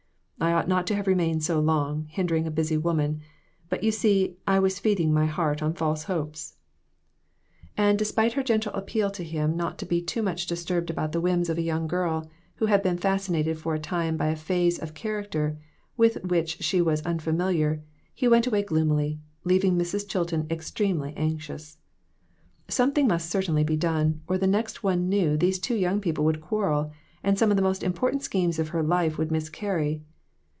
" I ought not to have remained so long, hindering a busy woman ; but you see I was feeding my heart on false hopes." 246 READY TO MAKE SACRIFICES. And despite her gentle appeal to him not to be too much disturbed about the whims of a young girl, who had been fascinated for a time by a phase of character with which she was unfamiliar, he went away gloomily, leaving Mrs. Chilton extremely anxious. Something must certainly be done, or the next one knew these two young people would quarrel, and some of the most important schemes of her life would miscarry.